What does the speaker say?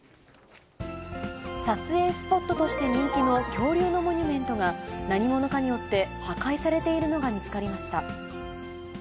撮影スポットとして人気の恐竜のモニュメントが、何者かによって、破壊されているのが見つかりました。